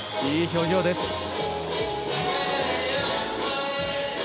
いい表情です。